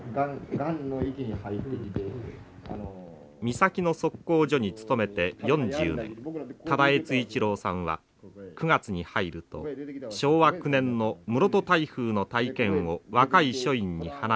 岬の測候所に勤めて４０年多田悦一郎さんは９月に入ると昭和９年の室戸台風の体験を若い所員に話します。